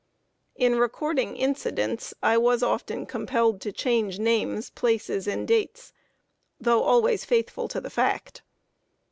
In recording incidents I was often compelled to change names, places, and dates, though always faithful to the fact.